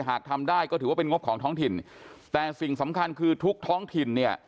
หากทำได้ก็ถือว่าเป็นงบของท้องถิ่นแต่สิ่งสำคัญคือทุกท้องถิ่นเนี่ย